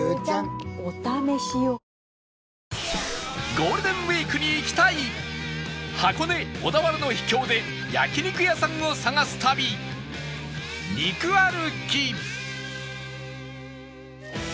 ゴールデンウィークに行きたい箱根小田原の秘境で焼肉屋さんを探す旅肉歩き